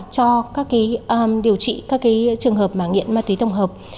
cho các cái điều trị các cái trường hợp mà nghiện ma túy tổng hợp